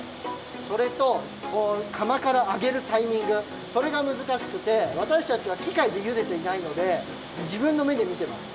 それとかまからあげるタイミングそれがむずかしくてわたしたちはきかいでゆでていないのでじぶんのめでみてます。